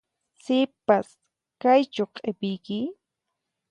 Sipas, kaychu q'ipiyki?